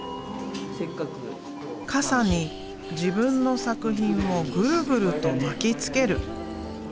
傘に自分の作品をグルグルと巻きつける。